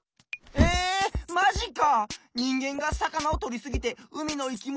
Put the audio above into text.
えマジか！